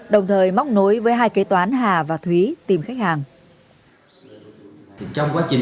đồng thời móc nối với hai kế toán hà và thúy tìm khách hàng